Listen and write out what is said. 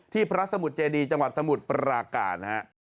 ที่พระสมุทรเจดีย์จังหวัดสมุทรประกาศ